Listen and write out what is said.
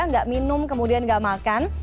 nggak minum kemudian nggak makan